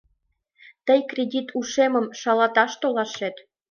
— Тый кредит ушемым шалаташ толашет!